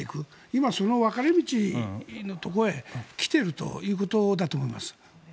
今、その分かれ道のところへ来ているということだと思います。